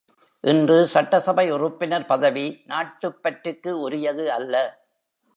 இன்று சட்டசபை உறுப்பினர் பதவி நாட்டுப் பற்றுக்கு உரியது அல்ல.